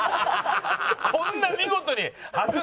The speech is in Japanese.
こんな見事に外す？